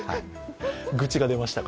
愚痴が出ましたか。